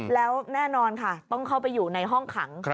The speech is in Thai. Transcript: แล้วแน่นอนค่ะต้องเข้าไปอยู่ในห้องขัง